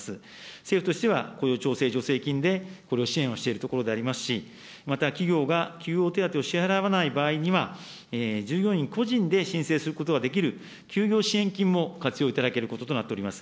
政府としては、雇用調整助成金でこれを支援をしているところでありますし、また企業が休業手当を支払わない場合には、従業員個人で申請することができる休業支援金も活用いただけることとなっております。